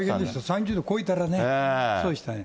３０度超えたらね、そうでしたね。